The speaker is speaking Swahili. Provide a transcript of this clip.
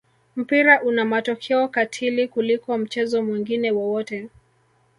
mpira una matokeo katili kuliko mchezo mwingine wowote